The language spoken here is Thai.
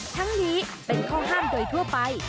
ทั้งนี้เป็นข้อห้ามโดยทั่วไป